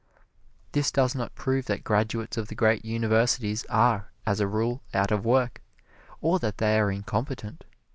This does not prove that graduates of the great universities are, as a rule, out of work, or that they are incompetent.